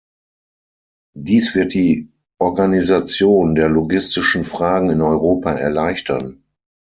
Dies wird die Organisation der logistischen Fragen in Europa erleichtern.